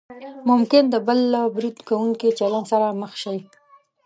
ممکن د بل له برید کوونکي چلند سره مخ شئ.